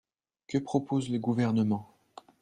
Que propose le Gouvernement?